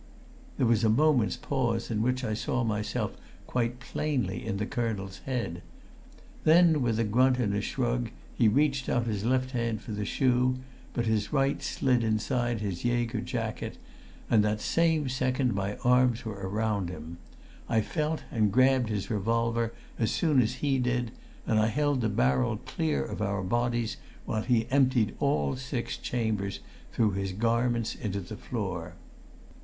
There was a moment's pause in which I saw myself quite plainly in the colonel's head. Then, with a grunt and a shrug, he reached out his left hand for the shoe, but his right slid inside his Jaeger jacket, and that same second my arms were round him. I felt and grabbed his revolver as soon as he did, and I held the barrel clear of our bodies while he emptied all six chambers through his garments into the floor.